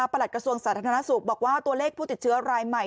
หลักกระทรวงสาธารณสุขบอกว่าตัวเลขผู้ติดเชื้อรายใหม่